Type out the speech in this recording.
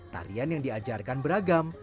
tarian yang diajarkan beragam